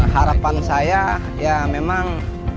harapan saya ya memang